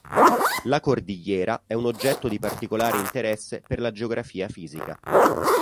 La cordigliera è un oggetto di particolare interesse per la geografia fisica.